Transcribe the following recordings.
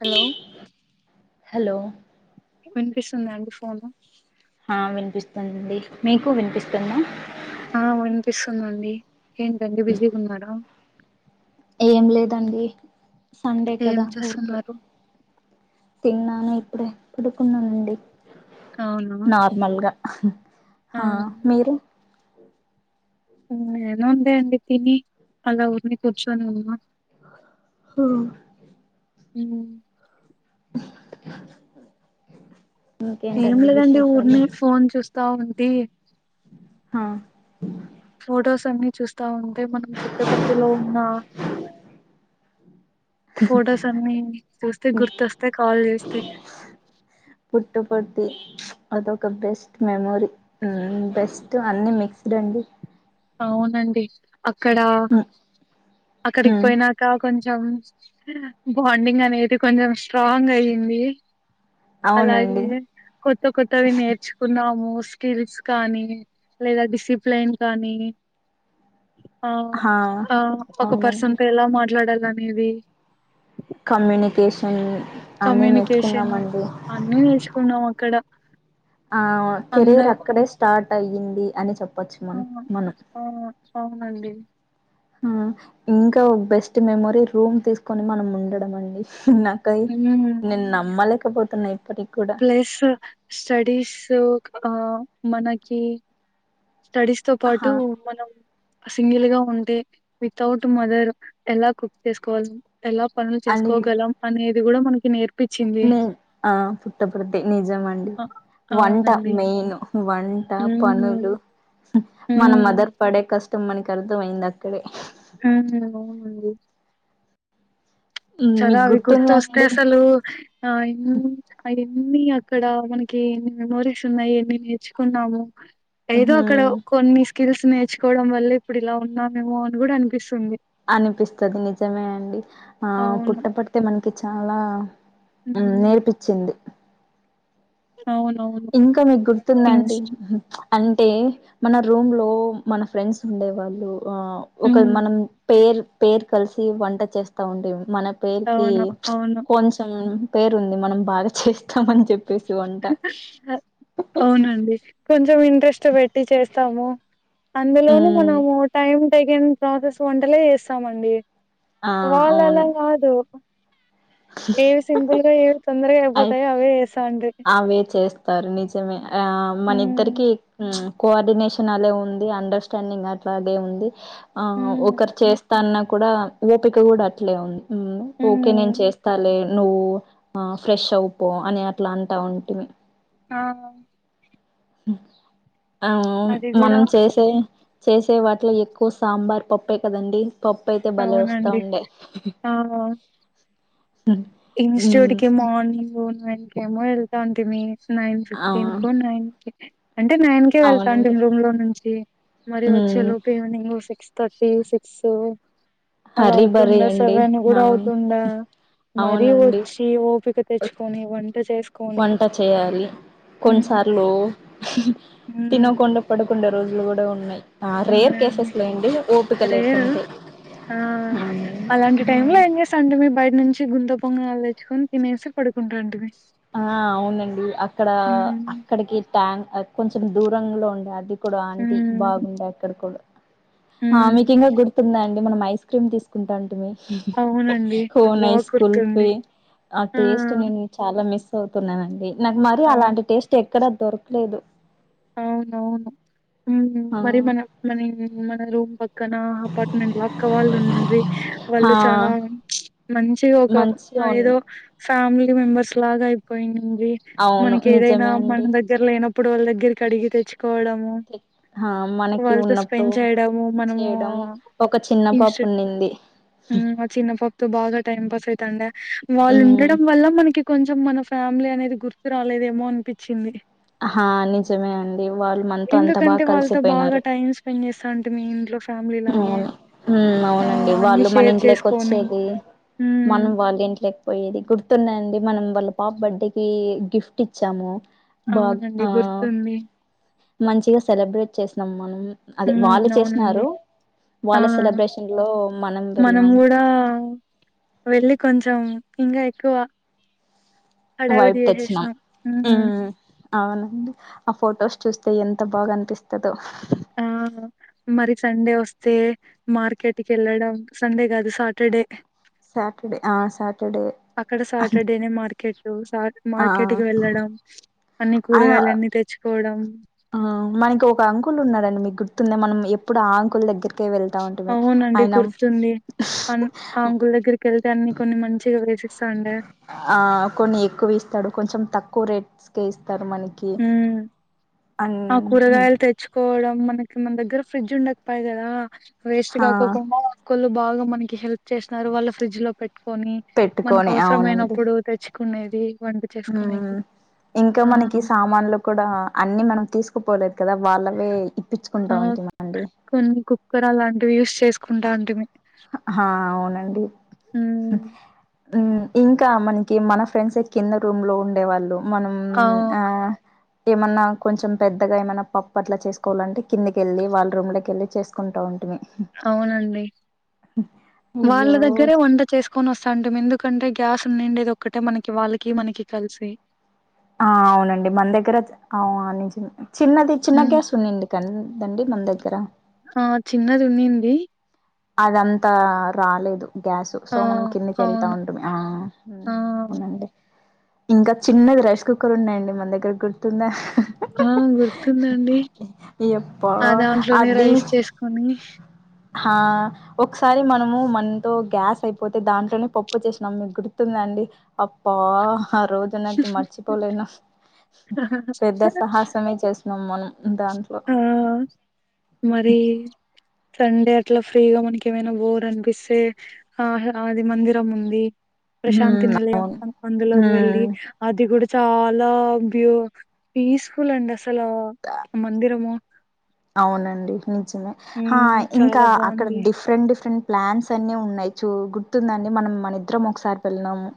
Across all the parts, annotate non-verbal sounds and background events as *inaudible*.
Hello hello వినిపిస్తుందా అండి phone ఆ వినిపిస్తుందిండి మీకు వినిపిస్తుంద ఆ వినిపిస్తుందండి ఏంటండి పెళ్లి బిజీగా ఉన్నడా ఏం లేదండి సండే ఏం కదా ఊరికే చేస్తున్నారు తిన్నాను ఇప్పుడే పడుకున్నానండి అవునా నార్మల్గా ఆ మీరు నేనంటే తిని ఆడ ఊరికే కూర్చొని ఉన్న హా ఉ దగ్గు సౌండ్ ఏం లేదండి ఊరిని ఫోన్ చూస్తా ఉంటే ఆ ఫొటోస్ అన్ని చూస్తా ఉంటే మనం పుట్టపర్తిలో ఉన్న ఫొటోస్ అన్ని చూస్తే గుర్తొస్తే కాల్ చేస్తే పుట్టపర్తి అదొ ఒక బెస్ట్ మెమొరీ బెస్ట్ అన్ని మిక్స్ అండి అవునండి అక్కడ అక్కడికి మ్మ్ పోయినాక కొంచెం బాండింగ్ అనేది కొంచెం స్ట్రాంగ్ అయంది అలాగే అవునండి కొత్త కొత్తవి నేర్చుకున్నాము. స్కిల్స్ కానీ లేదా డిసిప్లేన్ కానీ ఆ హా ఆ ఒక పర్సన్ అవునండి తో ఎలా మాట్లాడాల అనేది కమ్యూనికేషన్ అన్ని కమ్యూనికేషన్ నేర్చుకున్నానండి. అన్ని నేర్చుకున్నాం అక్కడ ఆ అంద కెరీర్ అక్కడే స్టార్ట్ అయ్యింది అని చెప్పొచ్చు ఆ మనం మనం *unintelligible* ఆ ఇంకా ఒ బెస్ట్ మెమొరీ రూమ్ తీసుకొని మనం ఉండడం అండి నాక్కది ఉమ్ నేను నమ్మలేకపోతున్నా ఇప్పటికి కూడా ప్లస్ స్టడీస్ ఆ మనకి స్టడీస్ తో పాటు ఆహా మనం సింగిల్ గా ఉంటే వితౌట్ మదర్ ఎలా కుక్ చేసుకోవాలి. ఎలా పనులు చేసుకోగలం అనేది కూడా మనకి నేర్ నేన్ ఆ పుట్టపుడ్తి నిజమండి. అ వంట అవునండి మెయిను వంట పనులు హ్మ్ మనం హ్మ్ మదర్ పడే కష్టం మనకి అర్థమయింది అక్కడే అవునండి హ్మ్. కదా మీకు అవి గుర్తుందా గుర్తోస్తే అండి అసలు ఆ *unintelligible* అన్ని అక్కడ మనకి మెమోరీస్ ఉన్నాయి ఎన్ని నేర్చుకున్నాము. ఏదో అక్కడ హ్మ్. కొన్నిస్ స్కిల్స్ నేర్చుకోవడం వల్ల ఇప్పుడు ఇలా ఉన్నామేమో అని కూడా అనిపిస్తుంది. అనిపిస్తది నిజమే అండి ఆ అవును పుట్ట పర్తి మనకి చాలా హ్మ్ నేర్పిచ్చింది అవునవును ఇంకా మీకు గుర్తుదా అండి ఇన్స్ట్ అంటే మన రూమ్ లో మన ఫ్రెండ్స్ ఉండేవాళ్ళు ఆ ఒక హ్మ్ మనం పేర్ పేర్ కలిసి వంట చేస్తా ఉండే మనం పేర్కి అవును అవును కొంచెం పేరు ఉంది మనం బాగా చేస్ చేస్తామని చెప్పేసి వంట అవునండి కొంచెం ఇంట్రెస్ట్ పెట్టి చేస్తాము. అందులోను మ్ మనము టైమ్ టెకెన్ ప్రాసెస్ వంటలే చేస్తామండి. ఆ అవును వాళ్ళలా కాదు ఏవి సింపుల్ గా ఏవి తొందరగా అయిపోతాయో అవే చేస్తామండి. తరు నిజమే ఆ మన ఇద్దరికి చ్ కోఆర్డినేషన్ అలే ఉంది అండర్స్టాండింగ్ అట్లాగే ఉంది ఆ ఉమ్ ఒకరు చేస్ స్తా అన్న కూడా ఓపిక కూడా అట్లే ఉంది హ్మ్ ఓకే నేన్ ఉమ్ చేస్ స్తాలే నువ్వు ఆ ఫ్రెష్ అవుపో అని అట్లా అంటా ఉంటిమి ఆ ఆమ్ అది కూడా మనం చేసే చేసే వాట్లో ఎక్కువ సాంబార్, పప్పే కదండి. పప్పు అయితే భలే వస్తా అవునండి ఉండే ఆ ఇన్స్టిట్యూట్ మ్మ్ కి మార్నింగ్ నైట్ కెమో వెళ్తాంటిమి నైన్ ఆ ఫిఫ్టీన్ కొ నైన్కి అంటే నైన్ కేే అవునండి వెళ్తాంటిమి రూమ్ లో నుంచి మరి వచ్చే మ్మ్ లోపు ఈవినింగ్ సిక్స్ థర్టీ సిక్స్ అలా హరీ బరీ అవుతుండె అండి సెవెన్ ఆ గుడా అవుతుండె మరీ అవునండి వచ్చి ఓపిక తెచ్చుకొని వంట చేస్ వంట చేయాలి కొన్నిసార్లు ఉమ్ తినకుండా పడు వంద రోజులు కూడా ఉన్నయి ఆ రేర్ ఉన్నాయండి కేసెస్ లేండి ఓపిక రేరు లేకుంటే ఆ అలాంటి టైమ్ లో ఏం చేసాంటె మీర్ బయట నుంచి గుంత పొంగనాలు తెచ్చుకొని తినేసి పడుకుంటాంటిమి ఆ అవునండి ఇక్కడ ఉమ్ అక్కడికి ట్యాంక్ కొంచెం దూరం లో ఉండే అది కూడా ఆంటీ ఉమ్ బాగుండే అక్కడ కుడా ఆ ఉమ్ మీకు ఇంకా గుర్తుందా అండి మనం ఐస్ క్రీమ్ తీసుకుంటాంటిమీ అవునండి బా కోన్ఐస్, గుర్తుంది కుల్ఫీ ఆ టేస్ట్ నేను చాలా మిస్ అవుతున్నానండి నాకు మరి అవును అలాంటి టేస్ట్ ఎక్కడా దొరకలేదు అవునవును హు ఆ మరి మన మన మన రూమ్ ప క్కన అపార్ట్మెంట్ అక్క వాళ్ళు ఉండిరి వాళ్ళు చాలా ఆ మంచిగా ఒక మంచిగా ఉన్న ఏదో ఫ్యామిలీ మెంబర్స్ లాగా అయిపోయింది రి అవును మనకి ఏదైనా నిజమే అండి మన దగ్గర లేనప్పుడు వాళ్ళ దగ్గరికి అడిగి తెచ్చు కోవడము ఆ మనకి వాళ్ళతో ఉన్నప్పుడు స్పెండ్ చేయడము మనము ఇ ఉండండి హు చిన్నపాపతో బాగా టైం పాస్ అయితండా వాళ్ళు మ్మ్ ఉండడం వల్ల మనకి కొంచెం మన ఫ్యామిలీ అనేది గుర్తు రాలేదేమో అనిపించింది ఆ నిజమే అండి వాళ్ళు మనతో అంత బాగా ఎందుకంటే వాళ్ళతో బాగా కలిసిపోయినారు టైం స్పెండ్ చేస్తాంటి మీ ఇంట్లో ఫ్యామిలీ లాగే అవును ఆ అవునండి అన్ని వాళ్ళు మన షేర్ చేసుకొని ఇంట్లోకొచ్చేది ఉమ్ మనం వాళ్ళు ఇంట్లేకపోయేది గు తున్నాయండి మనం వాళ్ళ పాప బర్త్డే కి గిఫ్ట్ ఇచ్చాము బాగ్ అవునండి ఆ గుర్తుంది మంచిగా సెలబ్రేట్ చేసినాం మనం అదే ఉమ్ వాళ్లు అవునండి చేసినారు ఆ వాళ్ళ సెలబ్రేషన్ లో మనం వెళ్ళినాం కూడా వెళ్ళి కొంచెం ఊ ఇంకా ఎక్కువ హడావిడి వైపు తెచ్చినాం చేసేసినాం ఉమ్ అవునండి ఆ ఫొటోస్ చూస్తే ఎంత ఎంత బాగా అనిపిస్తుందో ఆ ఆ మరి సండే వస్తే మార్కెట్కి వెళ్ళడం సండే కాదు సాటర్డే సాటర్డే ఆ సాటర్డే అక్కడ సాటర్డేనే మార్కెట్ ఆ మార్కెట్కి వెళ్ళడం అన్ని ఆయన కూరగాయల అన్నీ తెచ్చుకోవడం ఉంది మనం ఎప్పుడు ఆంకుల దగ్గరికి వెళ్తా ఉంటుంది అవునండి ఆయన గుర్తుంది అన్ ఆ అంకుల్ దగ్గరికి వెళ్తే అన్ని కొన్ని మంచిగా వేసిస్తాండే ఆ కొన్ని ఎక్కువ ఇస్తాడు కొంచెం తక్కువ రేట్ క ఇస్తా ఊ అన్ ఆ కూరగాయలు తెచ్చుకోవడం మన మన దగ్గర ఫ్రిడ్జ్ ఉండపో కద వేస్ట్ హా కాకుండా బాగా మనకి హెల్ప్ చేశారు వాళ్ళ ఫ్రిడ్జ్ లో పెట్టుకొని మనకి పెట్టుకొని అవునండి అవసరమైనప్పుడు తెచ్చు కునేది వంట చేసుకునేది ఉమ్ ఇంకా ఆ మనకి సామాన్లు కూడా అన్ని మనం తీసుకుపోలేదు కదా వాళ్ళవే ఇప్పించుకుంటా ఆ ఉంటిమండి కొన్ని కుక్కర్ అలాంటివి యూస్ చేసుకుంటా ఉంటిమీ హా అవునండి ఇంకా మనకి మన ఫ్రెండ్స్ కింద రూమ్ లో ఉండేవాళ్ళు మనం అవు ఆ ఏమన్నా కొంచెం పెద్దగా ఏమైన్నా పప్పు అట్లా చేసుకోవాలంటే కిందికి వెళ్లి వాళ్ళ రూమ్ లోకీ చేసుకుంటా ఉంటా అవునండి వాళ్ళ అయ్యో దగ్గరే వంట చేసుకొని వస్తా అంటే మీందు ఎందుకంటే గ్యాస్ ఉన్నిండేది ఒక్కటే మనకి వాళ్ళకి మనకి కలిసి ఆ అవునండి మన దగ్గర అవు నిజమే చిన్నది చిన్న ఉమ్ గ్యాస్ ఉన్నాడి కండి మన దగ్గర ఆ చిన్నది ఉన్నింది అది అంతా రాలేదు గ్యాస్ సో ఆ మనం కిందికి వెళ్తా అవును ఉంటుంది ఆ ఆ అవునండి ఇంకా చిన్నది రైస్ కుక్కర్ ఉన్నాయండి మన దగ్గర గుర్తుంద ఆ గుర్తుందండి యప్పా ఆ దాంట్లోనే రైస్ చేసుకొని ఆ ఒకసారి మనము మనతో గ్యాస్ అయిపోతే దాంట్లోనే పప్పు చేసినాం మీకు గుర్తుంది అండి అప్పా ఆ రోజు నాకు మర్చిపోలేను పెద్ద సాహసమే చేసినం మనం దాంట్లో ఆఁ మరీ సండే అట్లా ఫ్రీగా మనకి ఏమైనా బోర్ అనిపిస్తే ఆ అది మందిరం ఉంది. ప్రశాంతి హ్మ్ నిలయం అవును అం అందులోకి వెళ్ళి హ్మ్ అది కూడ చాలా బ్యూ పీస్ఫుల్ అండి అసలూ అవునండి ఆఁ హ్మ్ ఇంకా చాలా అక్కడ బాగుంది. డిఫరెంట్ డిఫరెంట్ ప్లాన్స్ అన్ని ఉన్నాయి చూ గుర్తుందా అండి మనం మన ఇద్దరం ఒకసారి పెళ్ళినాము.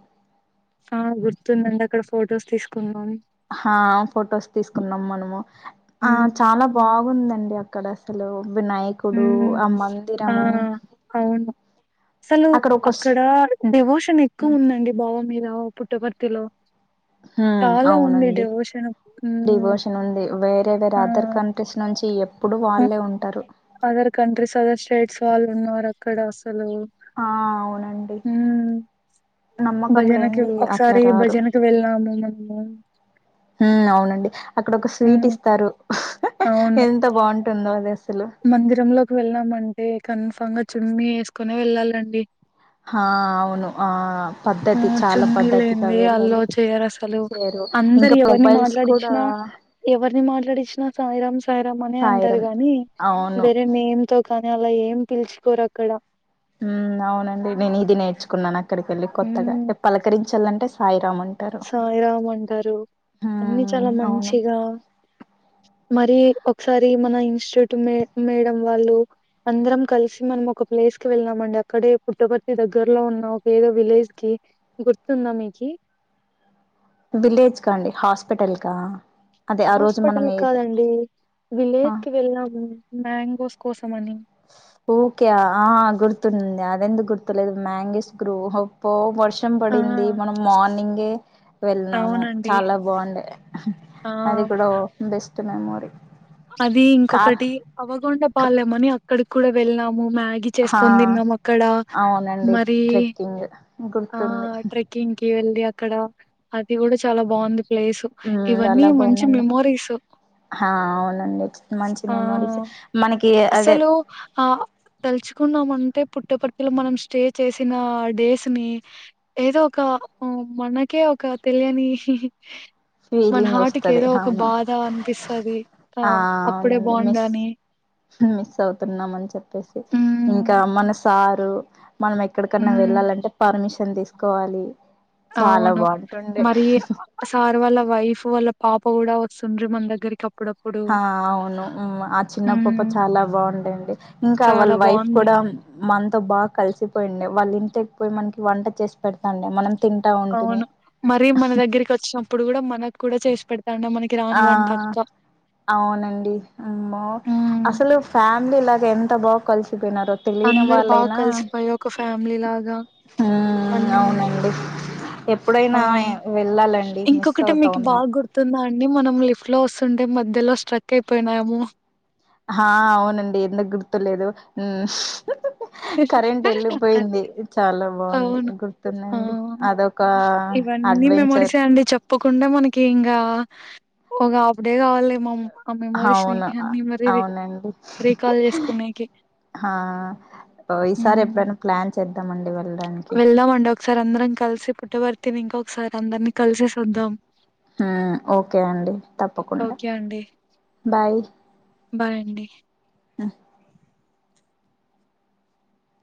ఆ గుర్తుందండి అక్కడ ఫొటోస్ తీసుకుందమని హాఁ ఫొటోస్ తీసుకున్నాం మనము ఆ హ్మ్ చాలా బాగుంది అండి అక్కడ అసలు వినాయకుడు హ్మ్ ఆ ఆ మందిరము అవును. అసలు ఒక స్ అక్కడ డివోషన్ ఎక్కువ ఉందండి బావి మీద పుట్టపర్తిలో హ్మ్ చాలా ఉంది అవునండి డివోషన్ మ్మ్ డివోషన్ ఉంది వేరే వేరే అదర్ ఆఁ కంట్రీస్ నుంచి ఎప్పుడు మ్ వాళ్ళే ఉంటారు అదర్ కంట్రీస్ అదర్ స్టేట్స్ వాళ్ళు ఉన్నారు అక్కడ సలు ఆ అవునండి మ్మూఁ నమ్మకం భజనకి లేనిది అట్లా ఒకసారి రారు భజనకి వెళ్ళాము మనము హ్మ్ అవునండి అక్కడ ఒక స్వీట్ హ్మ్. ఇస్తారు అవును. ఎంత బాగుంటుందో అది అస్ మందిరంలోకి వెళ్ళామంటే కన్ఫంగా చున్నీ ఏసుకొనే వెళ్ళాలండి. హాఁ అవును ఆఁ ఆ చున్నీ లేంది అల్లౌ చేయరు అసలు చేరు అందరు ఇంకా ఎవరిని మొబైల్స్ కూడా మాట్లాడిచ్చినా ఎవరిని మాట్లాడిచ్చినా సాయిరామ్ సాయిరామ్ అనే అంటారు సాయిరం గాని అవును వేరే నేమ్ తో కానీ అలా ఏం పిలుచుకోరు అక్కడ మ్మ్ అవునండి నేను ఇది నేర్చుకున్నాను అక్కడికి వెళ్ళి కొత్తగా పలకరించాలంటే సాయి సాయిరామ్ అంటారు అన్ని మ్మ్ చాలా అవును మంచిగా మరీ ఒకసారి మన ఇన్స్టిట్యూట్ మే మేడం వాళ్ళు అందరం కలిసి మనం ఒక ప్లే స్ కి వెళ్ళామండి అక్కడే పుట్టపర్తి దగ్గర్లో ఉన్న ఒక ఏదో విలేజ్ కి గుర్తుందా మీకీ? విలేజ్ కా అండి హాస్పిటల్ కా? అదే ఆ రోజు మనం హాస్పిటల్ ఏ కాదండి, విలేజ్ కి వెళ్ళాము మ్యాంగోస్ కోసం అని. *inaudible* ఓకే ఆఁ గుర్తుంది అది ఎందుకు గుర్తులేదు మ్యాంగీస్ గ్రూ అబ్బో మ వర్షం ఆ పడింది మనం మార్నింగే వెళ్ళినాము అవునండి చాలా బాగుండే. ఆ అది కూడా బెస్ట్ మెమోరీ అది కార్ ఇంకొకటి అవగొండ క- పాలేమని అక్కడికి కూడా వెళ్ళాం మ మ్యాగీ హా చేసుకని తిన్నాం అక్కడ అవునండి మరి ట్రెక్కింగ్ ఆ గుర్తుంది ట్రెక్ క్కింగ్కీ వెళ్లీ అక్కడా అది కూడా చాలా బాగుంది. ప్లేసు మ్మ్ ఇవన్నీ చాలా మంచి బాగుందండి మెమోరీసు హా అవునండి మంచి మెమోరీస్ ఆఁ మనకి అదే అసలు ఆ తలుచుకున్నామం టే పుట్టపర్తి లో మనం స్టే చేసిన డేస్ నీ ఏదో ఒక మన కే ఒక తెలియని మన ఫీలింగ్ హర్ట్ కీ వస్తది ఏదో ఒక అవును బాధ అనిపిస్తది. ఆ అప్పుడే అవునండి బాగుండే మిస్ అనీ మిస్ అవుతున్నాం అని చెప్పేసి ఉమ్ ఇంకా మన సా రు మనం ఎక్కడకన్నా ఉమ్ వెళ్ళాలంటే పర్మిషన్ తీసుకోవాలి. చాలా అవును బాగుంటుండే మరీ సార్ వాళ్ళ వైఫ్ వాళ్ళ పాప కూడా వస్తుండ్రీ మన దగ్గరికి అ ఆ అవును ఆ చిన్నపప్ప ఉమ్ చాలా బాగుండిండి ఇంకా వాళ్ళ చాలా వైఫ్ బాగుంది కూడా, మన్తో బాగా కలిసిపోయిండే వాళ్ళు ఇంటికి పోయి మనకి వంట చేసి పెడతాండే మనం తింటా ఉంటిమి అవును మరీ మన దగ్గరికి వచ్చినప్పుడు కూడా మనకు కూడా చేసి పెడు నికి రాని ఆ వంట అక్క అవునండి అమ్మో ఉమ్ అసలు ఫ్యామిలీ లాగా ఎంత బాగు తున్నారో తెలియని అందరు బాగా వాళ్ళైనా కలిసిపోయి ఒక ఫ్యామిలీ లాగా మ్మూఁ అన్ని అవునండి. ఆ ఎప్పుడైనా వెళ్ళాలండి మిస్ ఇంకొకటి అవుతా మీకు ఉన్నాం బాగా గుర్తుందా, అండీ మనం లిఫ్ట్ లో వస్తుంటే మధ్యలో స్ట్రక్ అయిపోయినాము. ఆ అవునండి ఎందుకు గుర్తులేదు, కరెంట్ వెళ్ళిపోయింది చాలా బాగుంది అవును ఆ గుర్తుందండి అదొక ఇవన్నీ అడ్వెంచర్ మెమోరీసే అండి చెప్పకుండా మనకి ఇంకా ఒక హఫ్ డే కావాలి ఏమో ఆ మెమోరీస్ ని అవును అన్నిీ మరీ అవునండి రీికవర్ చేసుకో నేకి, ఆ ఈసారి ఎప్పుడైనా ప్లాన్ చేద్దాం అండి వాళ్ళ వెళ్దామండి ఒకసారి అందరం కలిసి పుట్టబర్తిని ఇంకొసారి అందరినీ కలిసేసి వద్దాం. ఉ ఓకే అండి తప్పకుండా ఓకే అండి బాయ్, బాయ్ అండీ హు